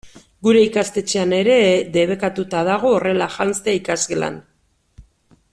Gure ikastetxean ere debekatuta dago horrela janztea ikasgelan.